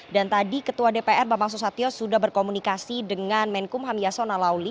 dan tadi ketua dpr bapak sosatyo sudah berkomunikasi dengan menkum ham yasona lawli